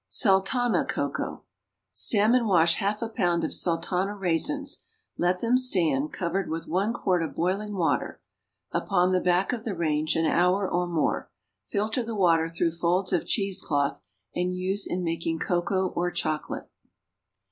=Sultana Cocoa.= Stem and wash half a pound of sultana raisins; let them stand, covered with one quart of boiling water, upon the back of the range an hour or more; filter the water through folds of cheese cloth and use in making cocoa or chocolate.